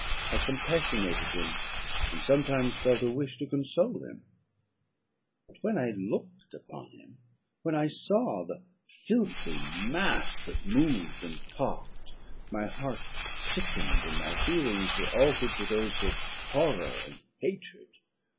I compassionated him, and sometimes felt a wish to console him; but when I looked upon him, when I saw the filthy mass that moved and talked, my heart sickened, and my feelings were altered to those of horror and hatred.